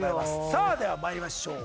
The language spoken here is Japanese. さあでは参りましょう。